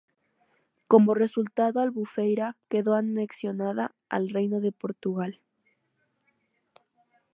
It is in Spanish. Como resultado Albufeira quedó anexionada al Reino de Portugal.